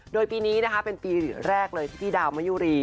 โดยปีนี้นะคะเป็นปีแรกเลยที่พี่ดาวมะยุรี